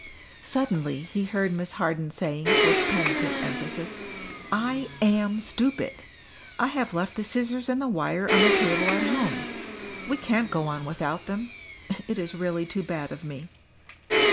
Suddenly he heard Miss Harden saying, with penitent emphasis, "I am stupid! I have left the scissors and the wire on the table at home; we can't get on without them; it is really too bad of me."